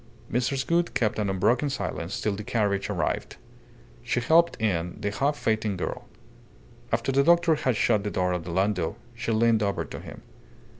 Mrs. Gould kept an unbroken silence till the carriage arrived. She helped in the half fainting girl. After the doctor had shut the door of the landau, she leaned over to him.